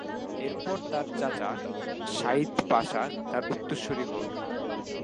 এরপর তার চাচা সাইদ পাশা তার উত্তরসুরি হন।